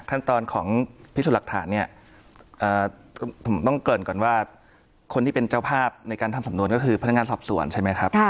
ขั้นตอนของพิสูจน์หลักฐานเนี่ยผมต้องเกริ่นก่อนว่าคนที่เป็นเจ้าภาพในการทำสำนวนก็คือพนักงานสอบสวนใช่ไหมครับ